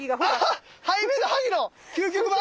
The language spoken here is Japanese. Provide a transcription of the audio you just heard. あ⁉ハイメドハギの究極版？